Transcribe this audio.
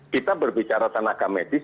kita berbicara tenaga medis